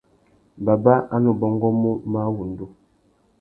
Baba a nu bôngômú máh wŭndú.